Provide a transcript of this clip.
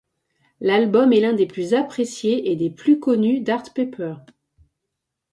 L'album est l'un des plus appréciés et des plus connus d'Art Pepper.